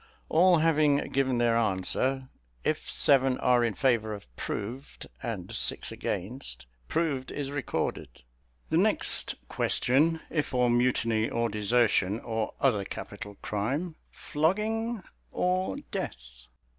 All having given their answer, if seven are in favour of proved, and six against, proved is recorded. The next question if for mutiny or desertion, or other capital crime "Flogging or death?"